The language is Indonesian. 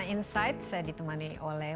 insight saya ditemani oleh